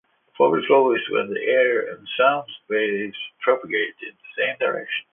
Forward flow is when the air and sound waves propagate in the same direction.